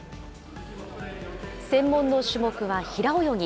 専門の種目は平泳ぎ。